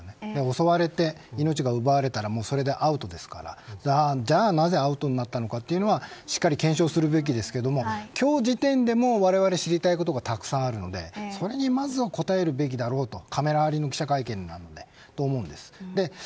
襲われて命が奪われたらそれでアウトですからじゃあなぜアウトになったのかというのはしっかり検証するべきですけど今日時点でもわれわれ知りたいことがたくさんあるのでそれにまずは答えるべきだろうとカメラありの記者会見なのでと思うんです。